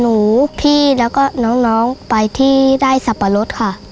หนูพี่แล้วก็น้องไปที่ได้สับปะรดค่ะ